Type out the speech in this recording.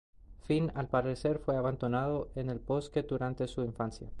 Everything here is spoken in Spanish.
Finn al parecer fue abandonado en el bosque durante su infancia.